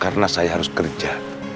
karena saya harus kerja